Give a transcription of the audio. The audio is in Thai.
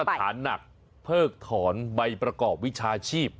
ฐานหนักเพิกถอนใบประกอบวิชาชีพ